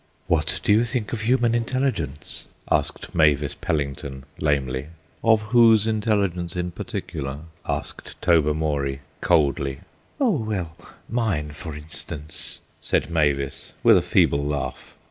"What do you think of human intelligence?" asked Mavis Pellington lamely. "Of whose intelligence in particular?" asked Tobermory coldly. "Oh, well, mine for instance," said Mavis, with a feeble laugh.